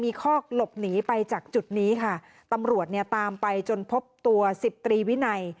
มีคอกหลบหนีไปจากจุดนี้ค่ะตำรวจเนี่ยตามไปจนพบตัวสิบตรีวินัย